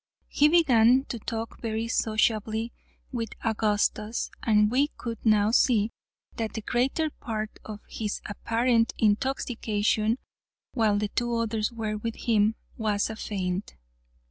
He began to talk very sociably with Augustus, and we could now see that the greater part of his apparent intoxication, while the two others were with him, was a feint.